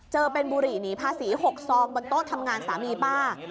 เจอเป็นบุหรี่หนีภาษี๖ซองบนโต๊ะทำงานสามีป้า